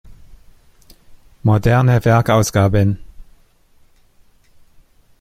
Moderne Werkausgaben